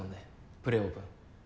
プレオープン。